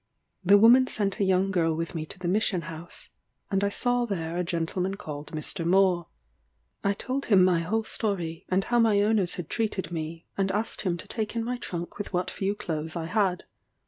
The woman sent a young girl with me to the mission house, and I saw there a gentleman called Mr. Moore. I told him my whole story, and how my owners had treated me, and asked him to take in my trunk with what few clothes I had.